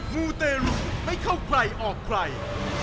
มูเตรุไม่เข้าใครออกใคร